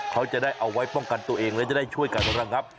เขาจะได้เอาไว้ป้องกันตัวเองและจะได้ช่วยกันระงับ